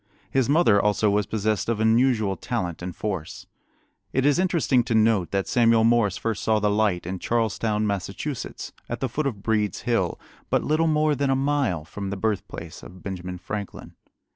His mother also was possessed of unusual talent and force. It is interesting to note that Samuel Morse first saw the light in Charlestown, Massachusetts, at the foot of Breed's Hill, but little more than a mile from the birthplace of Benjamin Franklin.